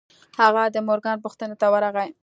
هغه د مورګان پوښتنې ته ورغی.